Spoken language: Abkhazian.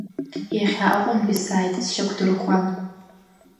Иахьа Аҟәантәи сааит сшьақәдырӷәӷәан.